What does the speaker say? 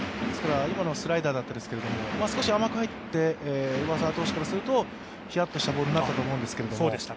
今のはスライダーだったですけれども、少し甘く入って上沢投手からするとヒヤッとしたボールになったと思うんですけど。